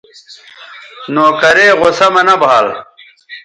نوکرے غصہ مہ نہ بھال